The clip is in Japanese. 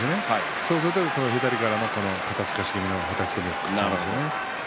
そうすると左から肩すかし気味のはたき込みを食ったんです。